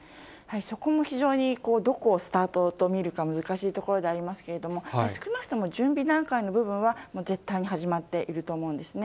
そこも非常にどこをスタートと見るか、難しいところでありますけれども、少なくとも準備段階の部分は、絶対に始まっていると思うんですね。